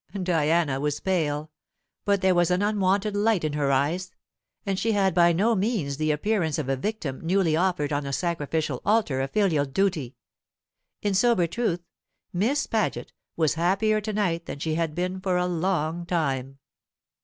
Diana was pale; but there was an unwonted light in her eyes, and she had by no means the appearance of a victim newly offered on the sacrificial altar of filial duty. In sober truth, Miss Paget was happier to night than she had been for a long time.